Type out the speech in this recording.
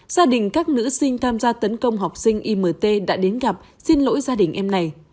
gia đình các nữ sinh tham gia tấn công học sinh imt đã đến gặp xin lỗi gia đình em này